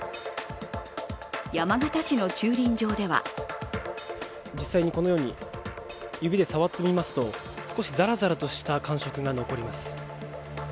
山形市の駐輪場では実際にこのように指で触ってみますと少しざらざらとした感触が残ります。